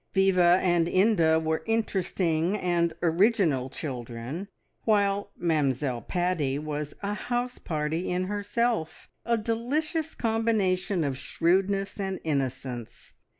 Viva and Inda were interesting and original children, while "Mamzelle Paddy" was a house party in herself a delicious combination of shrewdness and innocence.